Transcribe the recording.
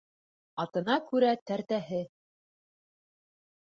Атына күрә тәртәһе.